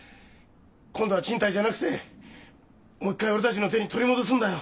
今度は賃貸じゃなくてもう一回俺たちの手に取り戻すんだよ！